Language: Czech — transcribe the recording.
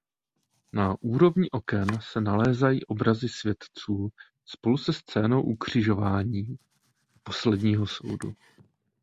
Na úrovni oken se nalézají obrazy světců spolu se scénou Ukřižování a Posledního soudu.